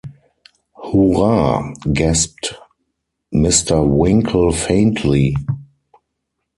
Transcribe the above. ‘Hurrah!’ gasped Mr. Winkle faintly.